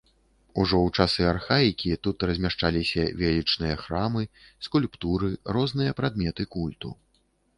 Ужо ў часы архаікі тут размяшчаліся велічныя храмы, скульптуры, розныя прадметы культу.